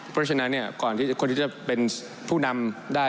เพราะฉะนั้นก่อนที่คนที่จะเป็นผู้นำได้